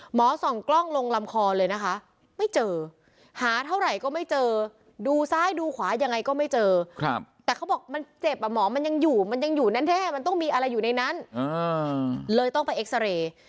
หมอส่องกล้องลงลำคอเลยนะคะไม่เจอหาเท่าไหร่ก็ไม่เจอดูซ้ายดูขวายังไงก็ไม่เจอแต่เขาบอกมันเจ็บอ่ะหมอมันยังอยู่มันยังอยู่แน่มันต้องมีอะไรอยู่ในนั้นเลยต้องไปเอ็กซาเรย์